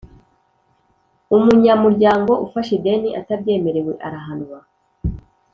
Umunyamuryango ufashe ideni atabyemerewe, arahanwa